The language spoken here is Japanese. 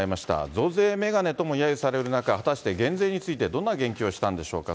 増税メガネともやゆされる中、果たして減税についてどんな言及をしたんでしょうか。